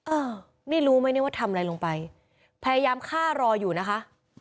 อ้าวนี่รู้ไหมเนี่ยว่าทำอะไรลงไปพยายามฆ่ารออยู่นะคะ